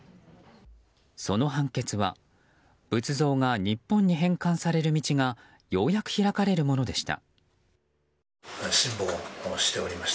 その判決は仏像が日本に返還される道がようやく開かれるものでした。